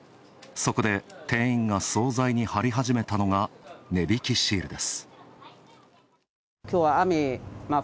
そこで店員が惣菜に貼りはじめたのが、値引きシールです。